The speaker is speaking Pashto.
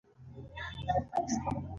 زه ټکي، کامه، سوالیه نښه کاروم.